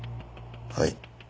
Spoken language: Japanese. はい。